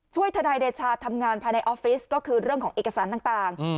ทนายเดชาทำงานภายในออฟฟิศก็คือเรื่องของเอกสารต่าง